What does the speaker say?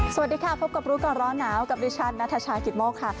สวัสดีค่ะพบกับรู้ก่อนร้อนหนาวกับดิฉันนัทชายกิตโมกค่ะ